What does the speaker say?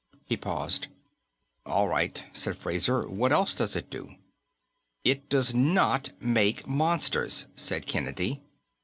He paused. "All right," said Fraser. "What else does it do?" "It does not make monsters," said Kennedy.